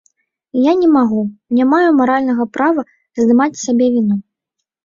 Я не магу, не маю маральнага права здымаць з сябе віну.